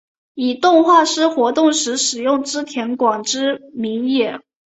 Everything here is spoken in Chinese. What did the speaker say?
以动画师活动时使用织田广之名义。